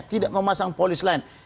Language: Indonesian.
tidak memasang polis lain